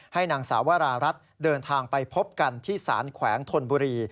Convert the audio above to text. นางสาววรารัฐเดินทางไปพบกันที่สารแขวงธนบุรี